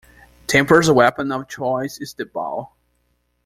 Tamber's weapon of choice is the bow.